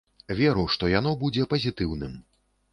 Веру, што яно будзе пазітыўным.